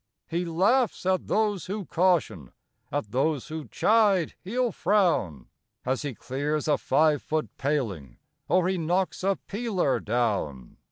He laughs at those who caution, at those who chide he'll frown, As he clears a five foot paling, or he knocks a peeler down.